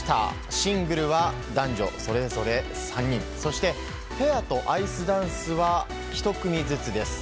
シングルは、男女それぞれ３人そして、ペアとアイスダンスは１組ずつです。